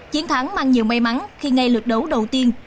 chiến thắng mang nhiều may mắn khi ngay lượt đấu đầu tiên